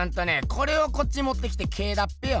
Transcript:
これをこっちもってきて「Ｋ」だっぺよ。